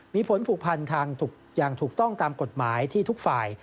มีผลผูกพันทางอย่างถูกต้องตามกฎหมายที่ทุกฝ่าย